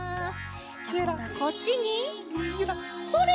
じゃあこんどはこっちにそれ！